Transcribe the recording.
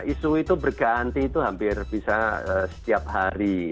isu itu berganti itu hampir bisa setiap hari